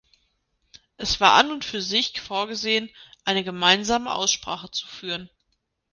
Es war an und für sich vorgesehen, eine gemeinsame Aussprache zu führen.